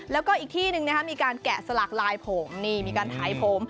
แล้วก็อีกที่หนึ่งมีการแกะสลักลายผมนี่มีการถ่ายผม